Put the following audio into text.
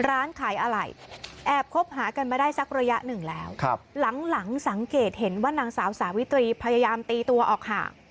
แอบคบหากันมาได้สักระยะหนึ่งแล้วครับหลังหลังสังเกตเห็นว่านางสาวสาวิตรีพยายามตีตัวออกห่าง